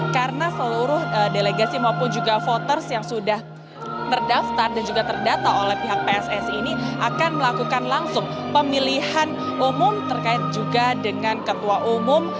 karena seluruh delegasi maupun juga voters yang sudah terdaftar dan juga terdata oleh pihak pssi ini akan melakukan langsung pemilihan umum terkait juga dengan ketua umum